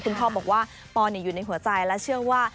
พ่อบอกว่าปออยู่ในหัวใจและเชื่อว่า